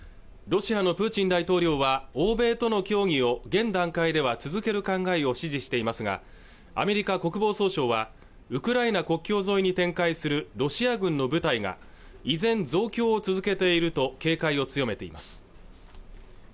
ロシアのプーチン大統領は欧米との協議を現段階では続ける考えを支持していますがアメリカ国防総省はウクライナ国境沿いに展開するロシア軍の部隊が依然増強を続けていると警戒を強めています